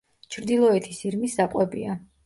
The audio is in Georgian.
ჩრდილოეთის ირმის საკვებია.